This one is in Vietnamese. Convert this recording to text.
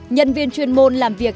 nhân viên chuyên môn làm việc